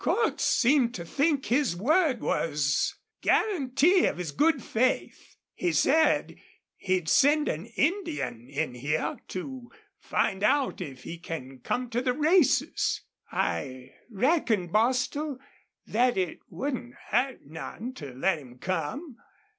"Cordts seemed to think his word was guarantee of his good faith. He said he'd send an Indian in here to find out if he can come to the races. I reckon, Bostil, thet it wouldn't hurt none to let him come.